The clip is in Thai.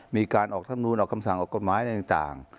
มีการออกธรรมนูลออกคำสั่งออกกฎหมายอะไรต่าง